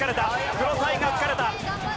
クロサイが疲れた。